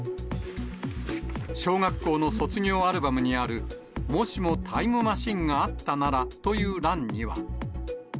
小学校の卒業アルバムにある、もしもタイムマシンがあったならという欄には。